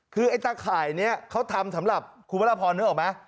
คือไอ้ตาข่ายนี้เขาทำสำหรับคุณพระราพรนึกออกไหม